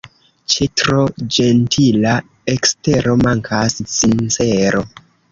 Ĉe tro ĝentila ekstero mankas sincero.